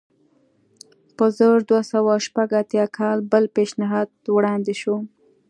په زر دوه سوه شپږ اتیا کال بل پېشنهاد وړاندې شو.